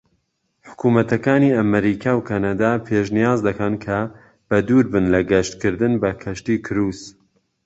حکومەتەکانی ئەمەریکا و کەنەدا پێشنیاز دەکەن کە بە دووربن لە گەشتکردن بە کەشتی کروس.